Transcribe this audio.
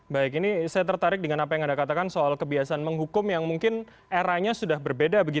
baik ini saya tertarik dengan apa yang anda katakan soal kebiasaan menghukum yang mungkin eranya sudah berbeda